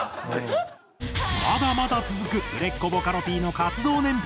まだまだ続く売れっ子ボカロＰの活動年表。